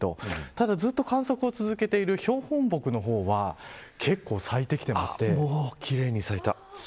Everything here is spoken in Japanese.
ただずっと観測を続けてる標本木の方は結構咲いてきてまして。